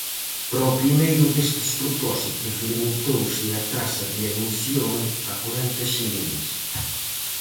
Para o primeiro destes propósitos, limitouse a taxa de admisión a corenta xilins.